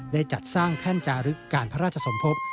ได้จัดสร้างแท่นจารึกการพระราชสมภพ